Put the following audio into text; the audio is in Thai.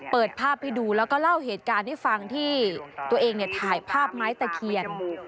เปิดภาพให้ดูแล้วก็เล่าเหตุการณ์ให้ฟังที่ตัวเองเนี่ยถ่ายภาพไม้ตะเคียน